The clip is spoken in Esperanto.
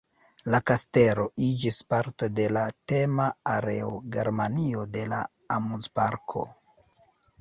La kastelo iĝis parto de la tema areo "Germanio" de la amuzparko.